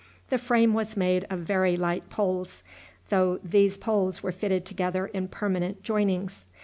The frame was made of very light poles, though these poles were fitted together in permanent joinings.